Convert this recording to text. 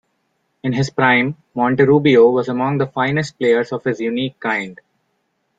In his prime, Monterrubio was among the finest players of his unique kind.